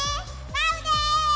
バウです！